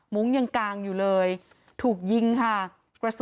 ยังกางอยู่เลยถูกยิงค่ะ